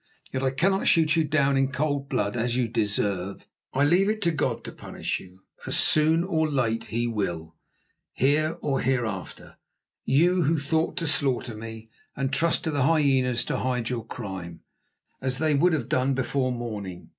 Yet I cannot shoot you down in cold blood as you deserve. I leave it to God to punish you, as, soon or late, He will, here or hereafter; you who thought to slaughter me and trust to the hyenas to hide your crime, as they would have done before morning.